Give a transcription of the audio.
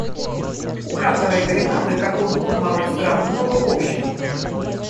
У Катара и Гренады как у двух малых стран много общего.